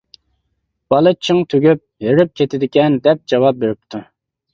بالا چىڭ تۈگۈپ «ھېرىپ كېتىدىكەن» دەپ جاۋاب بېرىپتۇ.